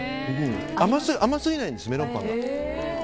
甘すぎないんです、メロンパンが。